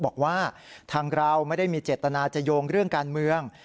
บอกว่าทางเราไม่ได้มีเจตนาจะโยงเรื่องการเมือง